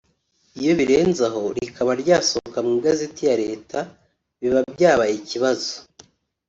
Iyo birenze aho rikaba ryasohoka mu igazeti ya Leta biba byabaye ikibazo